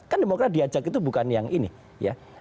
kan demokrat diajak itu bukan yang ini ya